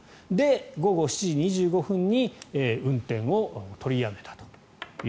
午後７時２５分に運転を取りやめたと。